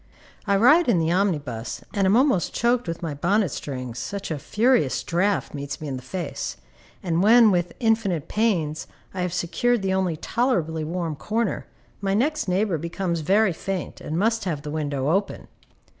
I ride in the omnibus, and am almost choked with my bonnet strings, such a furious draught meets me in the face, and when, with infinite pains, I have secured the only tolerably warm corner, my next neighbor becomes very faint, and must have the window open.